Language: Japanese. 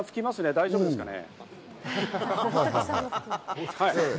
大丈夫ですかね？